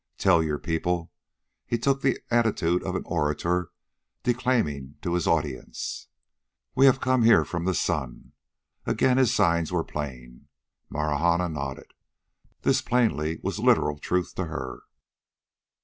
"Tell your people" he took the attitude of the orator declaiming to his audience "we have come here from the sun." Again his signs were plain. Marahna nodded. This plainly was literal truth to her.